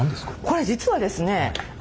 これ実はですね